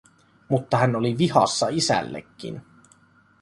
Mutta hän oli vihassa isällekin.